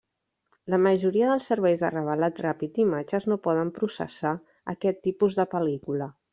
La majoria dels serveis de revelat ràpid d'imatges no poden processar aquest tipus de pel·lícula.